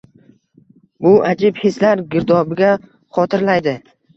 Bu ajib hislar girdobiga xotirlaydi.